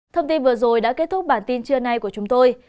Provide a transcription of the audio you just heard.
thông tin vừa rồi đã kết thúc bản tin trưa nay của chúng tôi